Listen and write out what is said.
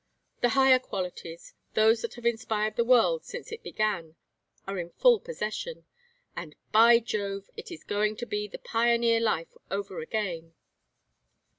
The higher qualities, those that have inspired the world since it began, are in full possession. And, by Jove, it is going to be the pioneer life over again!